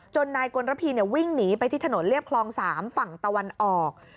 นายกลระพีวิ่งหนีไปที่ถนนเรียบคลอง๓ฝั่งตะวันออก